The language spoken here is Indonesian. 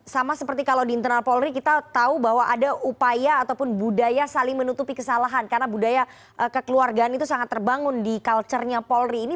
sama seperti kalau di internal polri kita tahu bahwa ada upaya ataupun budaya saling menutupi kesalahan karena budaya kekeluargaan itu sangat terbangun di culture nya polri ini